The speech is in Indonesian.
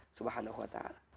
dan kita bisa berdoa kepada allah